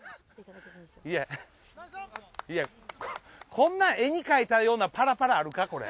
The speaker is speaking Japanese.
こんな絵にかいたようなパラパラあるか？